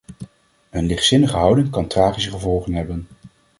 Een lichtzinnige houding kan tragische gevolgen hebben.